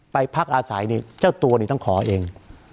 พักอาศัยนี่เจ้าตัวนี่ต้องขอเอง